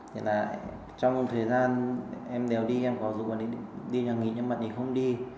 thì là trong thời gian em đèo đi em có giúp bạn ấy đi nhà nghỉ nhưng bạn ấy không đi